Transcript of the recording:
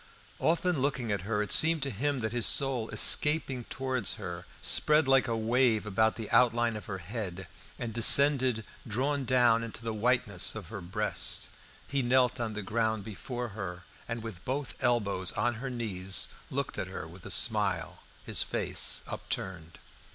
Often looking at her, it seemed to him that his soul, escaping towards her, spread like a wave about the outline of her head, and descended drawn down into the whiteness of her breast. He knelt on the ground before her, and with both elbows on her knees looked at her with a smile, his face upturned.